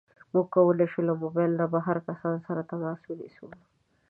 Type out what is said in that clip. موږ کولی شو له موبایل نه بهرني کسان سره تماس ونیسو.